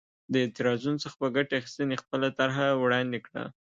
د اعتراضونو څخه په ګټې اخیستنې خپله طرحه وړاندې کړه.